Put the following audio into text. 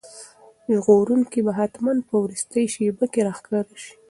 ژغورونکی به حتماً په وروستۍ شېبه کې راښکاره شي.